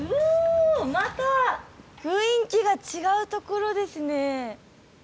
また雰囲気が違うところですね。